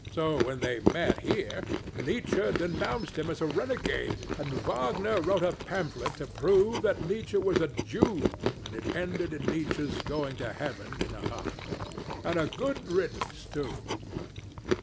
So when they met here, Nietzsche denounced him as a renegade; and Wagner wrote a pamphlet to prove that Nietzsche was a Jew; and it ended in Nietzsche's going to heaven in a huff. And a good riddance too.